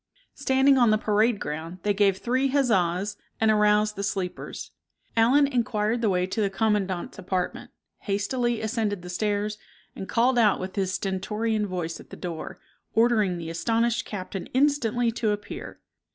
Standing on the parade ground they gave three huzzas and aroused the sleepers. Allen inquired the way to the commandant's apartment, hastily ascended the stairs, and called out with his stentorian voice at the door, ordering the astonished captain instantly to appear.